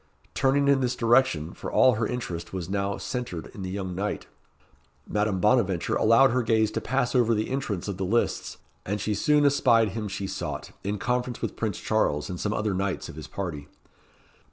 Turning in this direction, for all her interest was now centred in the young knight, Madame Bonaventure allowed her gaze to pass over the entrance of the lists, and she goon espied him she sought, in conference with Prince Charles, and some other knights of his party.